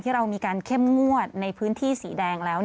เรามีการเข้มงวดในพื้นที่สีแดงแล้ว